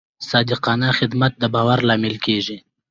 صادقانه خدمت د باور لامل کېږي.